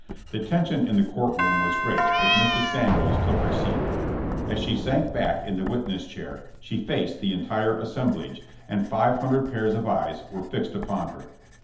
The tension in the court room was great as Mrs. Samuels took her seat. As she sank back in the witness chair she faced the entire assemblage, and five hundred pairs of eyes were fixed upon her.